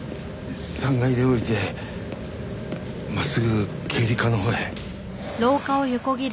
３階で降りて真っすぐ経理課のほうへ。